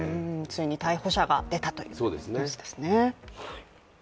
ついに逮捕者が出たというニュースですね。